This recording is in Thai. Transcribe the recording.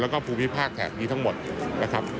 แล้วก็ภูมิภาคแถบนี้ทั้งหมดนะครับ